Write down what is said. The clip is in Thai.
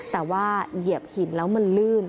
แต่ว่าเหยียบหินแล้วมันลื่น